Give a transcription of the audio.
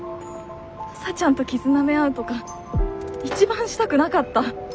かさちゃんと傷なめ合うとか一番したくなかった。